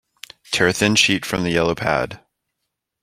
Tear a thin sheet from the yellow pad.